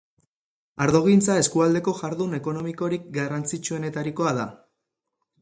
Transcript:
Ardogintza eskualdeko jardun ekonomikorik garrantzitsuenetarikoa da.